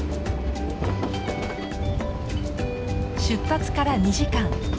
出発から２時間。